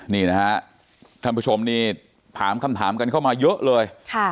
นี่นะฮะท่านผู้ชมนี่ถามคำถามกันเข้ามาเยอะเลย